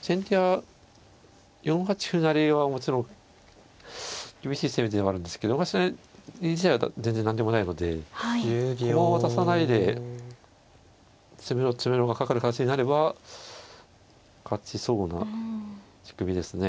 先手は４八歩成はもちろん厳しい攻めではあるんですけどまあそれ自体は全然何でもないので駒を渡さないで詰めろ詰めろがかかる形になれば勝ちそうな仕組みですね。